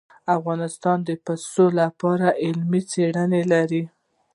افغانستان د پسه په اړه علمي څېړنې لري.